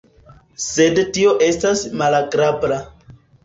Sed tio estas malagrabla.